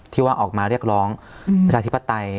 ที่ว่าออกมาเรียกร้องประชาธิปไตย